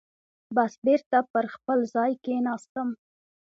بس بېرته پر خپل ځای کېناستم.